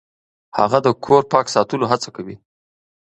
هغه د کور پاک ساتلو هڅه کوي.